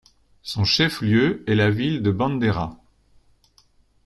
Son chef-lieu est la ville de Bandera.